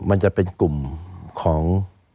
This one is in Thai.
มันจะเป็นกลุ่มของ